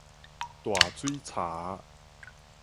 大水柴